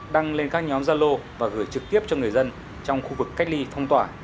đăng lên các nhóm gia lô và gửi trực tiếp cho người dân trong khu vực cách ly phong tỏa